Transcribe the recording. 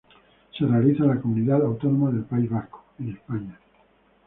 Se realiza en la Comunidad Autónoma del País Vasco, en España.